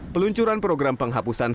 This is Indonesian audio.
peluncuran program penghapusan